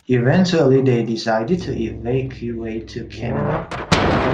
Eventually they decided to evacuate to Canada.